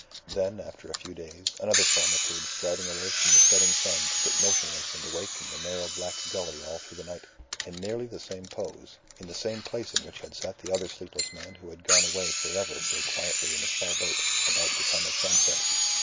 Then, after a few days, another form appeared striding away from the setting sun to sit motionless and awake in the narrow black gully all through the night, in nearly the same pose, in the same place in which had sat that other sleepless man who had gone away for ever so quietly in a small boat, about the time of sunset.